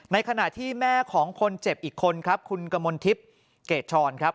ขณะที่แม่ของคนเจ็บอีกคนครับคุณกมลทิพย์เกรดชรครับ